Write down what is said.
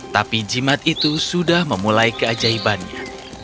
tapi jimat itu sudah memulai keajaibannya